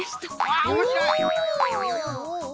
あっおもしろい！